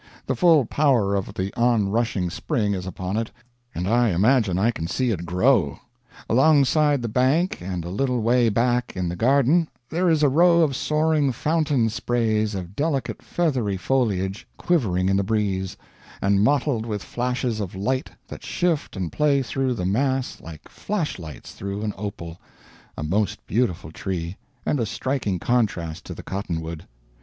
The full power of the on rushing spring is upon it, and I imagine I can see it grow. Alongside the bank and a little way back in the garden there is a row of soaring fountain sprays of delicate feathery foliage quivering in the breeze, and mottled with flashes of light that shift and play through the mass like flash lights through an opal a most beautiful tree, and a striking contrast to the cottonwood.